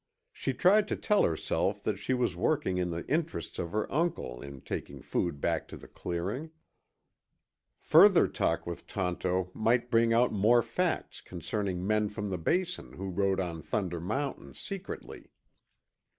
She tried to tell herself that she was working in the interests of her uncle in taking food back to the clearing. Further talk with Tonto might bring out more facts concerning men from the Basin who rode on Thunder Mountain secretly.